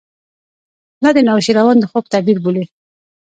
دا د نوشیروان د خوب تعبیر بولي.